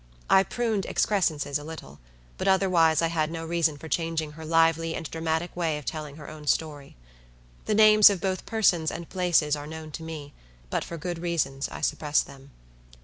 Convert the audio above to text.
I pruned excrescences a little, but otherwise I had no reason for changing her lively and dramatic way of telling her own story. The names of both persons and places are known to me; but for good reasons I suppress them.